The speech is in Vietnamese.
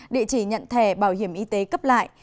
địa chỉ nhận thẻ bảo hiểm y tế cấp lại